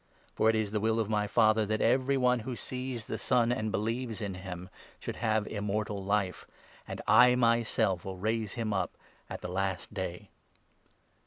For it is the will of my Father that every one who 40 sees the Son, and believes in him, should have Immortal Life ; and I myself will raise him up at the Last Day."